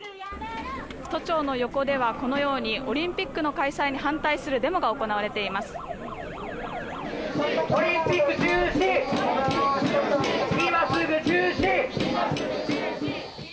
都庁の横ではこのようにオリンピックの開催に反対するデモが行われています。